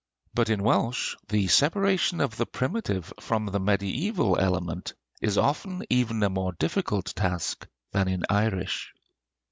But in Welsh, the separation of the primitive from the mediæval element is often even a more difficult task than in Irish.